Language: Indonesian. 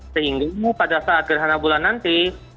sehingga pada saat gerhana bulan nanti